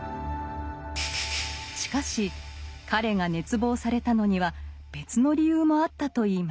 しかし彼が熱望されたのには別の理由もあったといいます。